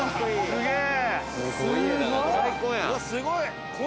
すげえ！